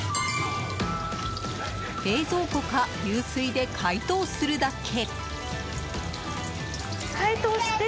冷蔵庫か、流水で解凍するだけ。